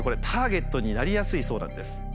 ターゲットになりやすいそうなんです。